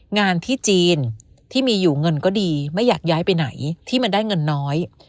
งานที่จีนที่มีอยู่เงินก็ดีไม่อยากย้ายไปไหนที่มันได้เงินน้อย